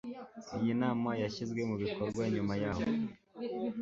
iyi nama yashyizwe mu bikorwa nyuma y aho